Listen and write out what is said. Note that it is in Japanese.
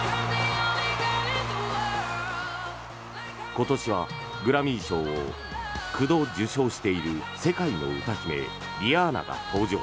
今年はグラミー賞を９度受賞している世界の歌姫、リアーナが登場。